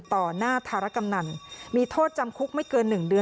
ต่อหน้าธารกำนันมีโทษจำคุกไม่เกิน๑เดือน